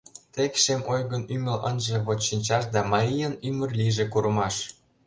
Тек шем ойгын ӱмыл Ынже воч шинчаш Да марийын ӱмыр Лийже курымаш.